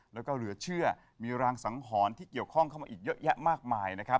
แล้วก็เหลือเชื่อมีรางสังหรณ์ที่เกี่ยวข้องเข้ามาอีกเยอะแยะมากมายนะครับ